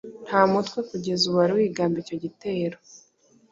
Nta mutwe kugeza ubu wari wigamba icyo gitero.